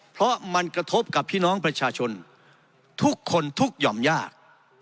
เพราะมันกระทบกับพี่น้องประชาชนทุกคนทุกหย่อมยาก